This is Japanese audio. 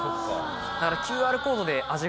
だからＱＲコードで。